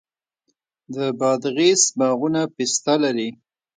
د بادغیس باغونه پسته لري.